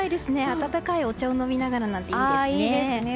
温かいお茶を飲みながらなんていいですね。